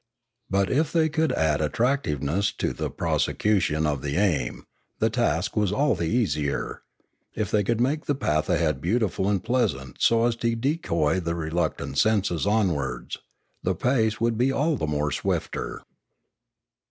But, if they could add attractiveness to the prosecution of the aim, the task was all the easier; if they could make the path ahead beautiful and pleasant so as to decoy the reluctant senses onwards, the pace would be all the swifter.